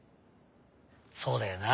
そうだよなあ